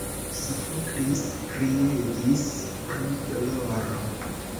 Sofoklis kriegis pro doloro.